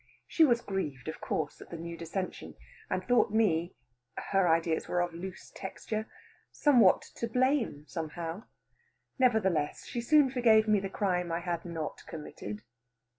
She was grieved of course at the new dissension, and thought me (her ideas were of loose texture) somewhat to blame somehow. Nevertheless she soon forgave me the crime I had not committed.